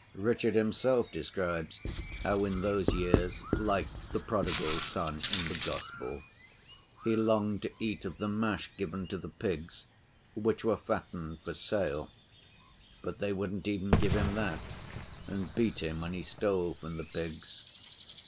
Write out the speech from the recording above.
Richard himself describes how in those years, like the Prodigal Son in the Gospel, he longed to eat of the mash given to the pigs, which were fattened for sale. But they wouldn't even give him that, and beat him when he stole from the pigs.